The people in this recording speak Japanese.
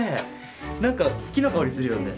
何か木の香りするよね。